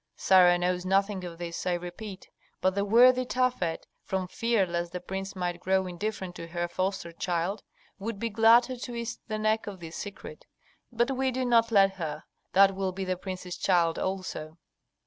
"Sarah knows nothing of this, I repeat, but the worthy Tafet, from fear lest the prince might grow indifferent to her foster child, would be glad to twist the neck of this secret. But we do not let her. That will be the prince's child also."